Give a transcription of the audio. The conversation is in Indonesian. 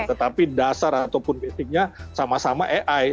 tetapi dasar ataupun basicnya sama sama ai